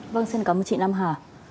vâng xin cảm ơn chị nam hà